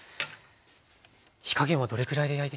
火加減はどれくらいで焼いていきますか？